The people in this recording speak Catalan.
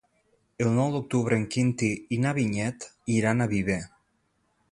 El nou d'octubre en Quintí i na Vinyet iran a Viver.